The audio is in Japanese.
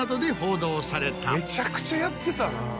めちゃくちゃやってたな。